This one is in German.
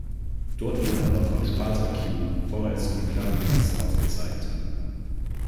Dort wurden aber von Spartak Kiew vorerst noch klar die Grenzen aufgezeigt.